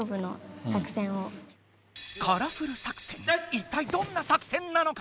一体どんな作戦なのか！